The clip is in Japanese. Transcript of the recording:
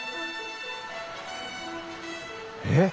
えっ？